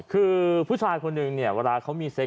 คือผู้ชายคนหนึ่งเนี่ยเวลาเขามีเซ็ก